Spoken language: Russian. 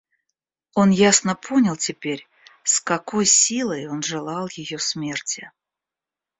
Он ясно понял теперь, с какой силой он желал ее смерти.